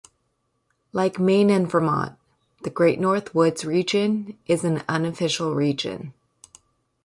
Like Maine and Vermont, the Great North Woods region is an unofficial region.